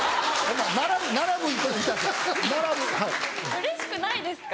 うれしくないですか？